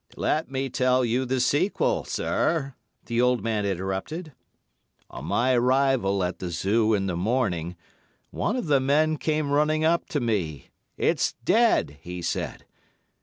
"Let me tell you the sequel, sir," the old man interrupted. "On my arrival at the Zoo in the morning, one of the men came running up to me. 'It's dead!' he said.